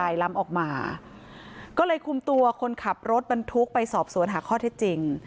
ล้ำออกมาก็เลยคุมตัวคนขับรถบรรทุกไปสอบสวนหาข้อเท็จจริง